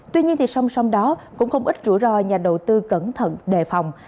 tuy nhiên thì song song đó cũng không ít rủi ro nhà đầu tư cẩn thận đề phòng